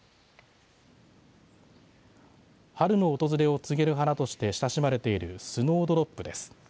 春の訪れを告げる花として親しまれているスノードロップです。